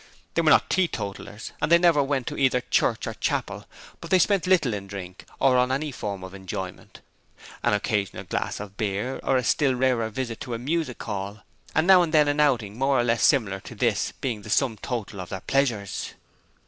They were not teetotallers and they never went to either church or chapel, but they spent little in drink or on any form of enjoyment an occasional glass of beer or a still rarer visit to a music hall and now and then an outing more or less similar to this being the sum total of their pleasures.